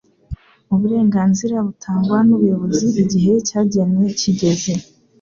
uburenganzira butangwa n ubuyobozi igihe cyagenwe kigeze